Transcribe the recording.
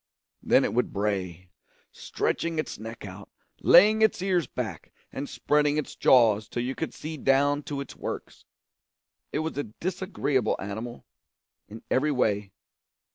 Then it would bray stretching its neck out, laying its ears back, and spreading its jaws till you could see down to its works. It was a disagreeable animal, in every way.